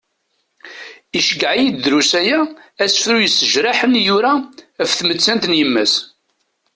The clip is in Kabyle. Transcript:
Iceyyeε-iyi-d, drus aya, asefru yessejraḥen i yura af tmettant n yemma-s.